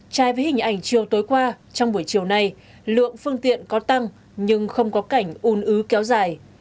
trai với hình ảnh chiều tối qua trong buổi chiều nay lượng phương tiện có tăng nhưng không có cảnh un ứ kéo dài